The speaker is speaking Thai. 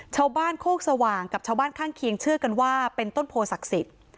โคกสว่างกับชาวบ้านข้างเคียงเชื่อกันว่าเป็นต้นโพศักดิ์สิทธิ์